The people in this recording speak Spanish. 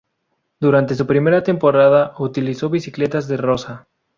Durante su primera temporada utilizó bicicletas De Rosa.